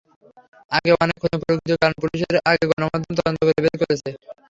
আগে অনেক খুনের প্রকৃত কারণ পুলিশের আগে গণমাধ্যম তদন্ত করে বের করেছে।